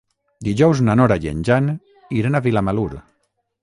Dijous na Nora i en Jan iran a Vilamalur.